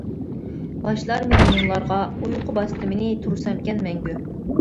باشلار مېنى مۇڭلارغا، ئۇيقۇ، باستى مېنى تۇرسامكەن مەڭگۈ.